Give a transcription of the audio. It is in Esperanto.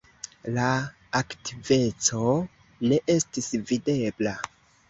La aktiveco ne estis videbla.